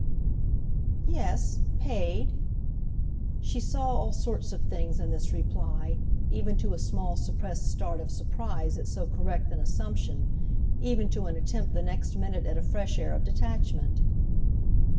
"Yes—paid." She saw all sorts of things in this reply, even to a small suppressed start of surprise at so correct an assumption; even to an attempt the next minute at a fresh air of detachment.